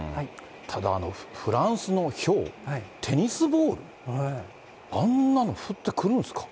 ただ、フランスのひょう、テニスボール、あんなの降ってくるんですか？